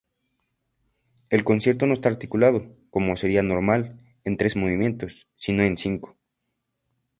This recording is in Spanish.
El concierto no está articulado, como sería normal, en tres movimientos, sino en cinco.